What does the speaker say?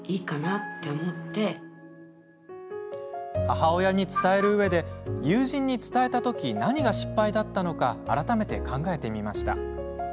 母親に伝えるうえで友人に伝えた時何が失敗だったのか改めて考えてみました。